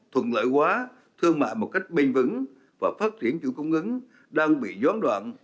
thuận lợi quá thương mại một cách bình vững và phát triển chủ cung ứng đang bị gián đoạn